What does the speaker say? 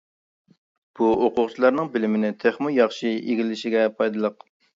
بۇ ئوقۇغۇچىلارنىڭ بىلىمنى تېخىمۇ ياخشى ئىگىلىشىگە پايدىلىق.